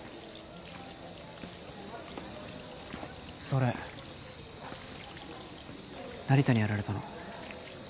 それ成田にやられたの？